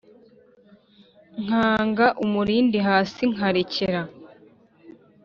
Nkanga umurindi hasi, ndarekera